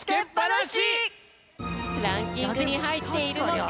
ランキングにはいっているのか？